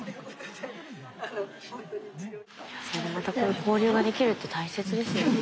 それでまたこういう交流できるって大切ですよね。